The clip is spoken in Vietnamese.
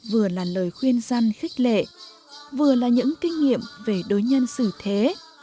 vừa là lời khuyên gian khích lệ vừa là những kinh nghiệm về đối nhân xử thế